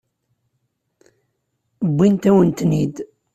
Wwint-awen-ten-id.